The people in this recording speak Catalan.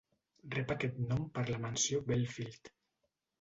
Rep aquest nom per la mansió Belfield.